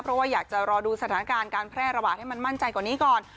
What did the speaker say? เพราะว่าอยากจะรอดูสถานการณ์การแพร่ระบาดให้มันมั่นใจกว่านี้ก่อน